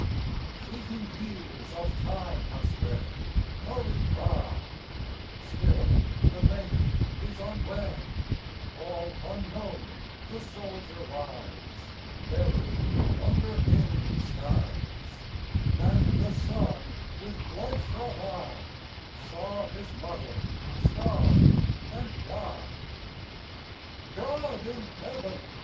Fleeting years of time have sped hurried by Still the maiden is unwed; All unknown the soldier lies, Buried under alien skies; And the son, with blood shot eye Saw his mother starve and die. God in Heaven!